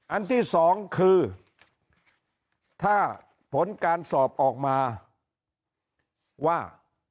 อันที่สองคือถ้าผลการสอบออกมาว่า